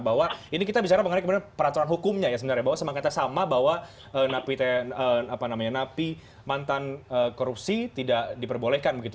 bahwa ini kita bicara mengenai peraturan hukumnya ya sebenarnya bahwa semangatnya sama bahwa napi mantan korupsi tidak diperbolehkan begitu